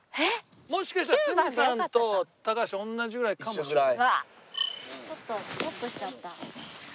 もしかしたら鷲見さんと高橋同じぐらいかもしれない。